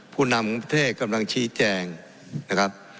ผู้นำประเทศกำลังชี้แจงนะครับ